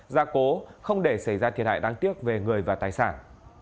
gia cố không để xảy ra thiệt hại đáng tiếc về người và tài sản